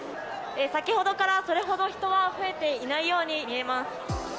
先ほどからそれほど人は増えていないように見えます。